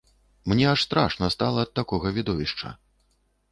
Мне аж страшна стала ад такога відовішча.